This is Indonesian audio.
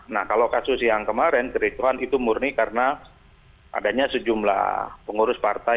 nah kalau kasus yang kemarin kericuan itu murni karena adanya sejumlah pengurus partai